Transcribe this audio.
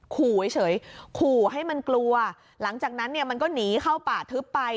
ขู่เฉยขู่ให้มันกลัวหลังจากนั้นเนี่ยมันก็หนีเข้าป่าทึบไป